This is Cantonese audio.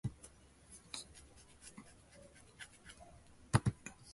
你最愛的乖孫